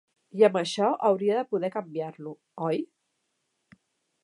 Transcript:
I amb això hauria de poder canviar-lo, oi?